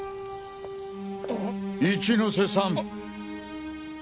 一ノ瀬さん。